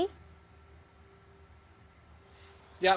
ya para pendaki